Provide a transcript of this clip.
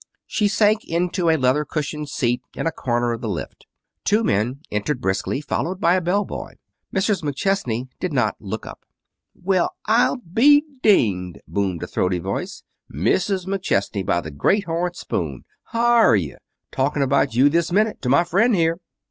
She sank into a leather cushioned seat in a corner of the lift. Two men entered briskly, followed by a bellboy. Mrs. McChesney did not look up. "Well, I'll be dinged!" boomed a throaty voice. "Mrs. McChesney, by the Great Horn Spoon! H'are you? Talking about you this minute to my friend here."